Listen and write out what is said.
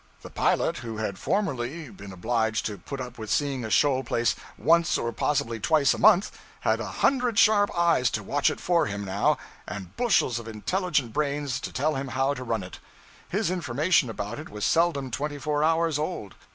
The pilot who had formerly been obliged to put up with seeing a shoal place once or possibly twice a month, had a hundred sharp eyes to watch it for him, now, and bushels of intelligent brains to tell him how to run it. His information about it was seldom twenty four hours old.